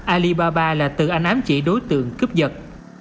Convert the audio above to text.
alibaba là từ anh ám chỉ đối tượng cướp giật